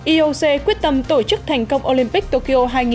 ioc quyết tâm tổ chức thành công olympic tokyo hai nghìn hai mươi